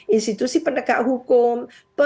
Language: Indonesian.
institusi pendekat hukum